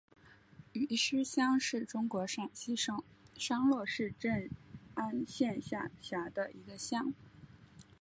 余师乡是中国陕西省商洛市镇安县下辖的一个乡。